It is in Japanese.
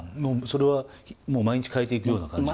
それはもう毎日変えていくような感じ？